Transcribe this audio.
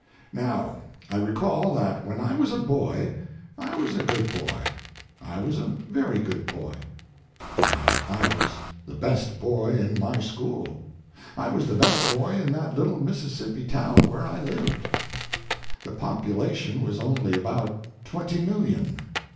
Now, I recall that when I was a boy I was a good boy—I was a very good boy. Why, I was the best boy in my school. I was the best boy in that little Mississippi town where I lived. The population was only about twenty million.